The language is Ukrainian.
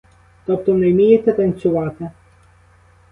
Тобто не вмієте танцювати?